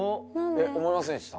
思いませんでした？